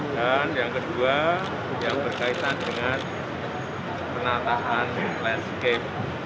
dan yang kedua yang berkaitan dengan penataan landscape